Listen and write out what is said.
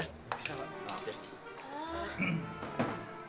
bisa pak maaf ya